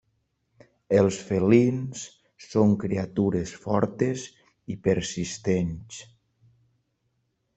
Els felins són criatures fortes i persistents.